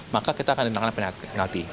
maka kita akan tindakan penalti